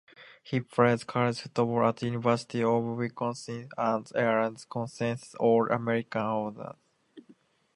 He played college football at University of Wisconsin, and earned consensus All-American honors.